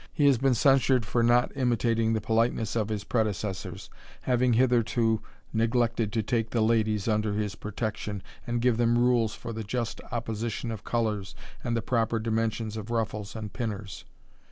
He has been censured for not imitating the THE RAMBLER, 51 )oliteness of his predecessors, having hitherto neglected to ake the ladies under his protection, and give them rules "or the just opposition of colours, and the proper dimen sions of ruffles and pinners.